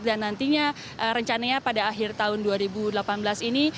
dan nantinya rencananya pada akhir tahun dua ribu delapan belas ini